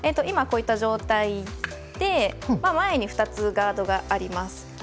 今、こういった状態で前に２つガードがあります。